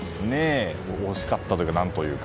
惜しかったというか何というか。